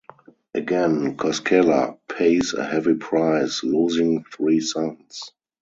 Again Koskela pays a heavy price, losing three sons.